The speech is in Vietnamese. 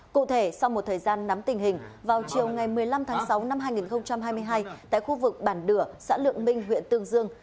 cụ thể sau một thời gian nắm tình hình vào chiều ngày một mươi năm tháng sáu năm hai nghìn hai mươi hai tại khu vực bản đửa xã lượng minh huyện tương dương